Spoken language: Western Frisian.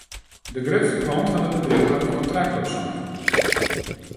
De grutste klant fan it bedriuw hat it kontrakt opsein.